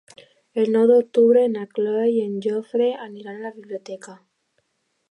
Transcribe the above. El nou d'octubre na Cloè i en Jofre aniran a la biblioteca.